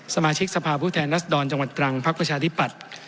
สมาชิกสภาพผู้แทนรัศดรจังหวัดตรังพักประชาธิปัตย์